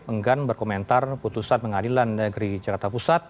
enggan berkomentar putusan pengadilan negeri jakarta pusat